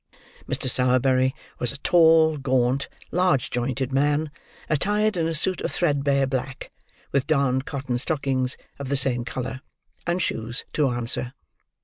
Mr. Sowerberry was a tall gaunt, large jointed man, attired in a suit of threadbare black, with darned cotton stockings of the same colour, and shoes to answer.